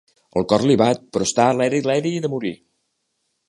El cor li bat, però està leri-leri de morir.